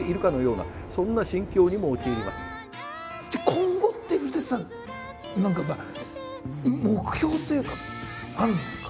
今後って古さん何か目標というかあるんですか？